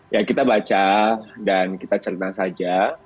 ya kita baca dan kita cerita saja